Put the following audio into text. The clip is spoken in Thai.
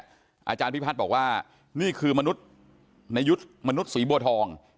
อาจารย์พิพัฒน์บอกว่านี่คือมนุษย์ในยุทธ์มนุษย์สีบัวทอง